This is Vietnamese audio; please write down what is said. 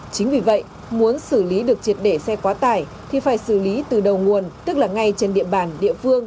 chính vì vậy muốn xử lý được triệt để xe quá tải thì phải xử lý từ đầu nguồn tức là ngay trên địa bàn địa phương